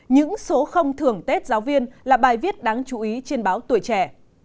những số không thưởng tết giáo viên là bài viết đáng chú ý trên báo tuổi trẻ